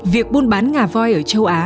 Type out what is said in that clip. việc buôn bán ngà voi ở châu á